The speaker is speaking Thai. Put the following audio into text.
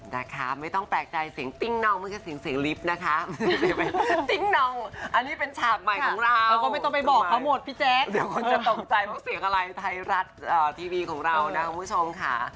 นะคะไม่ต้องแปลกใจเสียงติ้งน้องไม่ใช่เสียงลิฟต์นะคะ